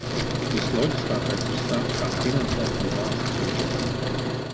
Visloģiskākais ir sākt tās finansēt no valsts budžeta.